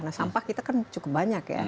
nah sampah kita kan cukup banyak ya